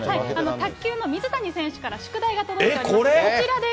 卓球の水谷選手から宿題が届いております。